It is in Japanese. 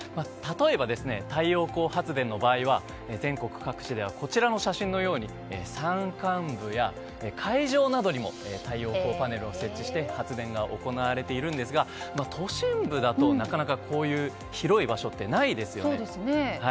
例えば、太陽光発電の場合は全国各地ではこちらの写真のように山間部や海上などにも太陽光パネルを設置して発電が行われているんですが都心部だとなかなかこういう広い場所ってないですよね。